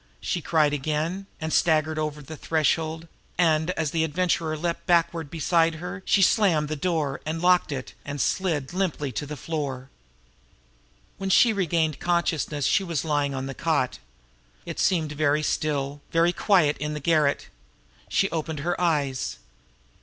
she cried again, and staggered over the threshold, and, as the Adventurer leaped backward beside her, she slammed the door, and locked it and slid limply to the floor. When she regained consciousness she was lying on the cot. It seemed very still, very quiet in the garret. She opened her eyes.